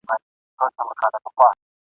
چي بې نصیبه څوک له کتاب دی !.